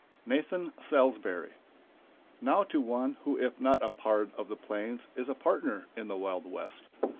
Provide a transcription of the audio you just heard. NATHAN SALSBURY. Now to one who if not a "pard" of the plains is a partner in the Wild West.